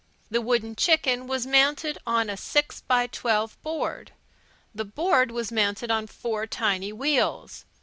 The wooden chicken was mounted on a six by twelve board. The board was mounted on four tiny wheels.